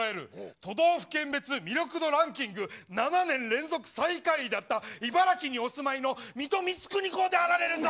都道府県別魅力度ランキング７年連続最下位だった茨城にお住まいの水戸光圀公であられるぞ。